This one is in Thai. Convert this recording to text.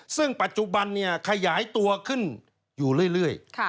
ซึ่งปัจจุบันขยายตัวขึ้นอยู่เรื่อย